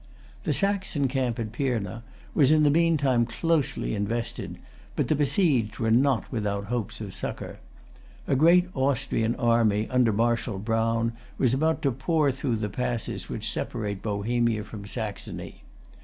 The Saxon camp at Pirna was in the meantime closely invested; but the besieged were not without hopes of succor. A great Austrian army under Marshal Brown was about to pour through the passes which separate Bohemia from Saxony.